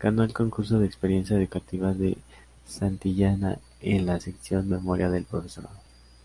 Ganó el Concurso de Experiencias Educativas de Santillana en la sección Memoria del Profesorado.